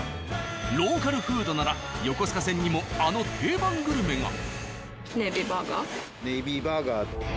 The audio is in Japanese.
ローカルフードなら横須賀線にもあの定番グルメが。